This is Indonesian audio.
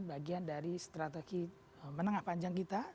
bagian dari strategi menengah panjang kita